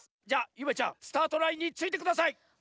じゃあゆめちゃんスタートラインについてください。